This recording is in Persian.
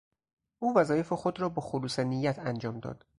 او وظایف خود را با خلوص نیت انجام داد.